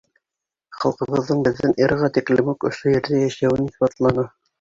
Халҡыбыҙҙың беҙҙең эраға тиклем үк ошо ерҙә йәшәүен иҫбатланы.